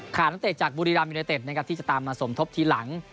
นักเตะจากบุรีรัมยูเนเต็ดนะครับที่จะตามมาสมทบทีหลัง